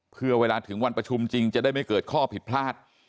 เพื่อเวลาถึงวันประชุมจริงจะได้ไม่เกิดข้อผิดพลาด